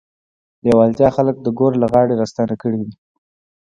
لېوالتیا خلک د ګور له غاړې راستانه کړي دي